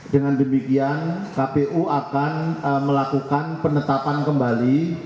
dengan demikian kpu akan melakukan penetapan kembali